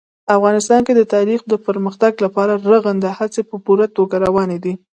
افغانستان کې د تاریخ د پرمختګ لپاره رغنده هڅې په پوره توګه روانې دي.